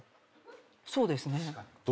そうですね。